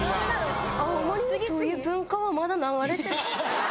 青森にそういう文化はまだ流れてない。